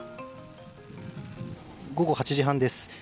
午後８時半です。